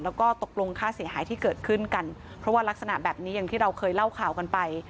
แล้วก็ตกลงค่าเสียหายที่เกิดขึ้นกันเพราะว่ารักษณะแบบนี้อย่างที่เราเคยเล่าข่าวกันไป